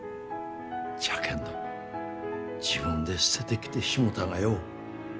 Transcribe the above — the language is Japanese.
じゃけんど自分で捨ててきてしもうたがよ。